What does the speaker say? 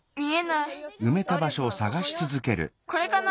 これかな。